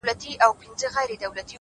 زما په څېره كي’ ښكلا خوره سي’